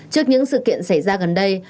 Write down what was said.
trước những sự kiện xảy ra gần đây